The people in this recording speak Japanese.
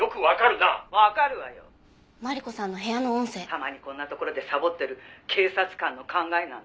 「たまにこんな所でサボってる警察官の考えなんて」